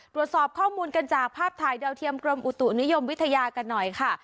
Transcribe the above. ตรวจสอบข้อมูลกันจากภาพถ่ายดาวเทียมกรมอุตุนิยมวิทยากันหน่อยค่ะ